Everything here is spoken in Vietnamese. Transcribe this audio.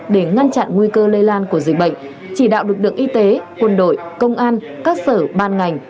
để ngăn chặn nguy cơ lây lan của dịch bệnh chỉ đạo lực lượng y tế quân đội công an các sở ban ngành